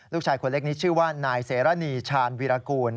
ลูกชายคนเล็กนี้ชื่อว่านายเสรณีชาญวิรากูล